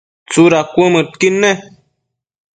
¿tsudad cuëdmëdquid ne?